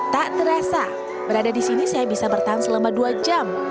tak terasa berada di sini saya bisa bertahan selama dua jam